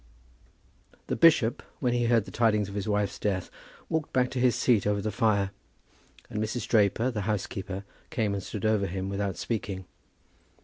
The bishop when he had heard the tidings of his wife's death walked back to his seat over the fire, and Mrs. Draper, the housekeeper, came and stood over him without speaking.